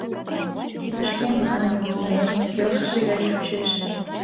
Кидышкем нальым — неле, келшыше гай чучеш.